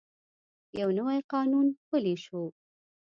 یو نوی قانون پلی شو.